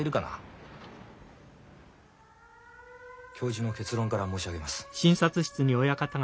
教授の結論から申し上げます。